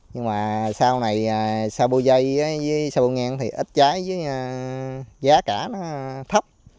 nhưng mà sau này xa bô dây với xa bô ngang thì ít trái với giá cả nó thấp